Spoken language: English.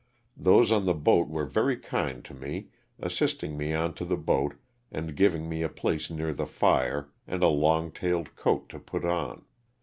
Those on the boat were very kind to mo, assisting me onto the boat and giving me a place near the fire and a long tailed coat to put on.